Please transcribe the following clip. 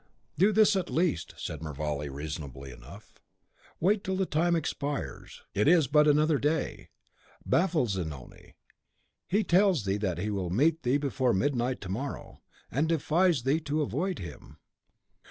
"Do this at least," said Mervale, reasonably enough, "wait till the time expires; it is but another day. Baffle Zanoni. He tells thee that he will meet thee before midnight to morrow, and defies thee to avoid him.